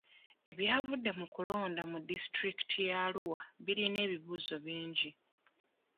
Ebyavudde mu kulonda mu disitulikiti y'Arua birina ebibuuzo bingi.